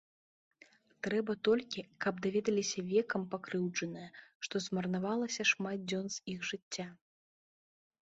Трэба толькі, каб даведаліся векам пакрыўджаныя, што змарнавалася шмат дзён з іх жыцця.